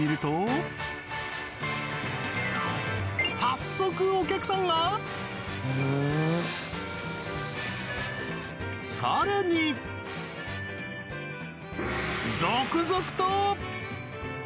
早速お客さんがさらに続々と！